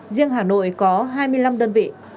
riêng hà nội có hai mươi năm đơn vị